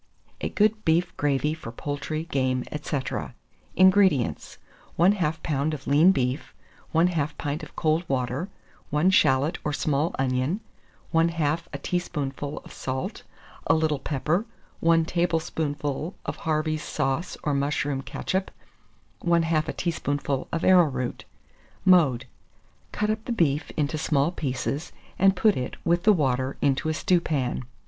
A GOOD BEEF GRAVY FOR POULTRY, GAME, &c. 435. INGREDIENTS. 1/2 lb. of lean beef, 1/2 pint of cold water, 1 shalot or small onion, 1/2 a teaspoonful of salt, a little pepper, 1 tablespoonful of Harvey's sauce or mushroom ketchup, 1/2 a teaspoonful of arrowroot. Mode. Cut up the beef into small pieces, and put it, with the water, into a stewpan.